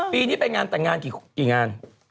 ปีนี้ไปงานแต่งงานกี่งาน